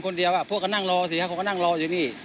ก็เพาะก็นั่งรอสิฮะเขาก็นั่งรอที่นี่